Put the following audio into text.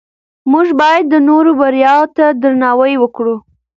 موږ باید د نورو بریا ته درناوی وکړو